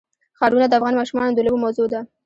ښارونه د افغان ماشومانو د لوبو موضوع ده.